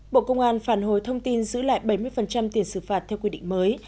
bộ công an phản hồi thông tin giữ lại bảy mươi tiền xử phạt theo quy định mới